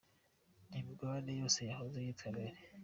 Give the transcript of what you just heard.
n’imigabane yose ya yahoze yitwa mbere.